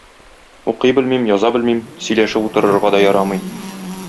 Укый белмим, яза белмим, сөйләшеп утырырга да ярамый!